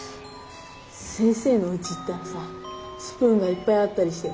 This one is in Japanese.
先生のうち行ったらさスプーンがいっぱいあったりして。